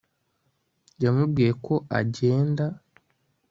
yamubwiye ko agenda